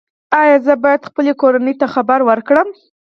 ایا زه باید خپلې کورنۍ ته خبر ورکړم؟